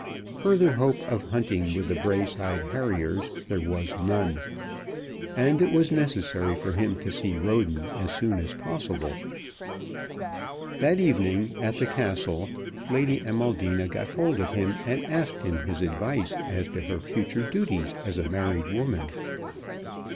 Further hope of hunting with the Braeside Harriers there was none; and it was necessary for him to see Roden as soon as possible. That evening at the Castle Lady Amaldina got hold of him, and asked him his advice as to her future duties as a married woman.